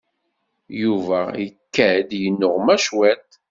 Yuba ikad-d yennuɣna cwiṭ.